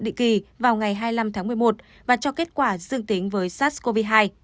định kỳ vào ngày hai mươi năm tháng một mươi một và cho kết quả dương tính với sars cov hai